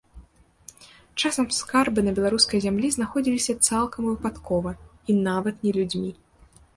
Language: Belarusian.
Часам скарбы на беларускай зямлі знаходзіліся цалкам выпадкова, і нават не людзьмі.